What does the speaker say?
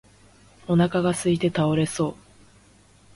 お腹がすいて倒れそう